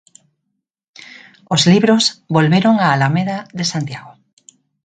Os libros volveron á Alameda de Santiago.